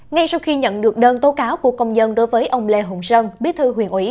ngay sau khi nhận được đơn tố cáo của công dân đối với ông lê hùng sơn bí thư huyện ủy